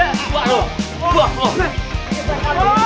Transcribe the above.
hah ini bukan apa apa